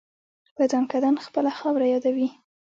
په ځانکدن خپله خاوره یادوي.